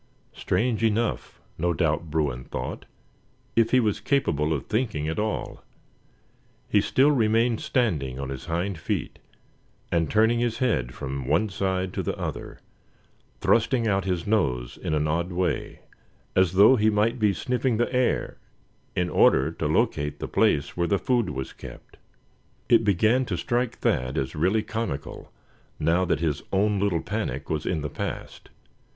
Strange enough, no doubt Bruin thought, if he was capable of thinking at all. He still remained standing on his hind feet, and turning his head from one side to the other, thrusting out his nose in an odd way, as though he might be sniffing the air in order to locate the place where the food was kept. It began to strike Thad as really comical, now that his own little panic was in the past.